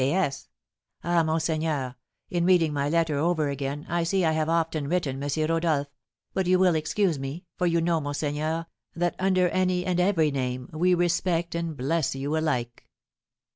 "P.S. Ah, monseigneur, in reading my letter over again, I see I have often written M. Rodolph, but you will excuse me, for you know, monseigneur, that under any and every name we respect and bless you alike."